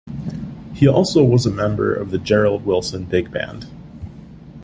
He also was a member of the Gerald Wilson big band.